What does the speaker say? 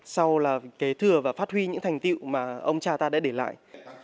sau là kế thừa và phát huy những thành tiệu mà ông cha ta đã để lại